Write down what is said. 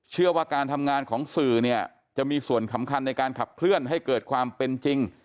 เชื่อว่าการทำงานของสื่อเนี่ยจะมีส่วนสำคัญในการขับเคลื่อนให้เกิดความเป็นจริง